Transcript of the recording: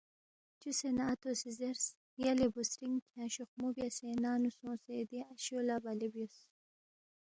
چُوسے نہ اتو سی زیرس، یلے بُوسترِنگ کھیانگ شوخمو بیاسے ننگ نُو سونگسے دی اشے لہ بلے بیوس